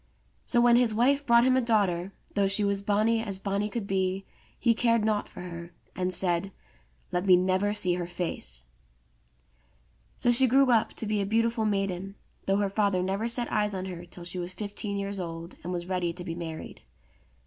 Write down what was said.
So when his wife brought him a daughter, though she was bonny as bonny could be, he cared nought for her, and said : *'Let me never see her face." So she grew up to be a beautiful maiden, though her father never set eyes on her till she was fifteen years old and was ready to be married.